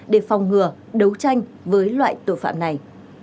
để phòng ngừa đấu tranh với loại tội phạm này